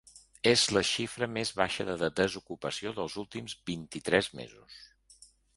És la xifra més baixa de desocupació dels últims vint-i-tres mesos.